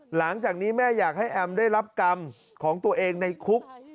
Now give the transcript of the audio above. หลังจากนี้แม่อยากให้แอมได้รับกรรมของตัวเองในคุก